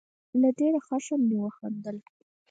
له ډېر خښم مې وخندل.